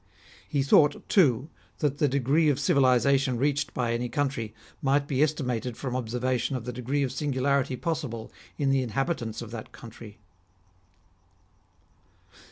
He thought, too, that the degree of civilisation reached by any country might be estimated from observa tion of the degree of singularity possible in the inhabi tants of that country.